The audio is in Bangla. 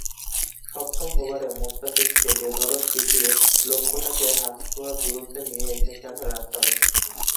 সপ্তম ওভারে মোস্তাফিজকে বেধড়ক পিটিয়ে লক্ষ্যটাকে হাত ছোঁয়া দূরত্বে নিয়ে এসেছেন রাসেল।